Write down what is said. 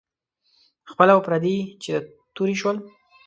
خپل او پردي چې د تورې شول.